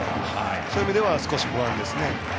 そういう意味では少し不安ですね。